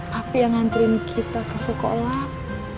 papi yang ngantriin kita ke sekolah